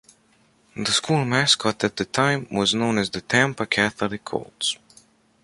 The school mascot at the time was known as the Tampa Catholic Colts.